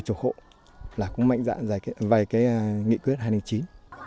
giảm súc là cũng mạnh dạn vay nghị quyết hành lý chính